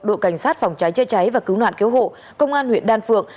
đội cảnh sát phòng cháy chữa cháy và cứu nạn cứu hộ công an huyện đan phượng